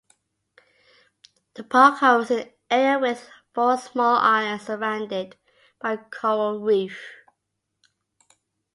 The park covers an area with four small islands surrounded by coral reef.